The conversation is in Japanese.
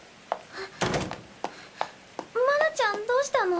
麻奈ちゃんどうしたの？